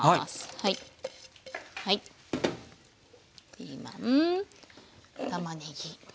ピーマンたまねぎ